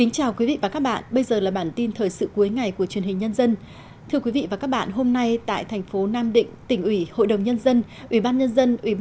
chào mừng quý vị đến với bản tin thời sự cuối ngày của truyền hình nhân dân